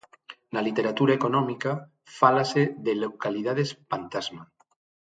Na literatura económica fálase de localidades pantasma.